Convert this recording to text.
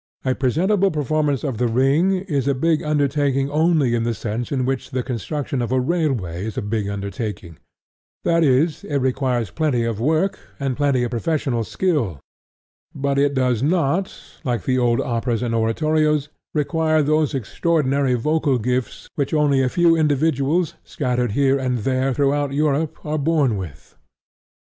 A presentable performance of The Ring is a big undertaking only in the sense in which the construction of a railway is a big undertaking: that is, it requires plenty of work and plenty of professional skill; but it does not, like the old operas and oratorios, require those extraordinary vocal gifts which only a few individuals scattered here and there throughout Europe are born with.